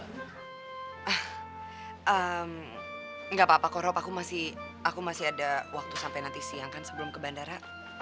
gak apa apa kok rob aku masih ada waktu sampai nanti siang kan sebelum ke bandara